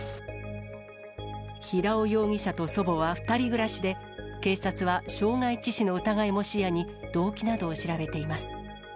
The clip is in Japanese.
平尾容疑者と祖母は２人暮らしで、警察は傷害致死の疑いも視野に、動機などを調べています。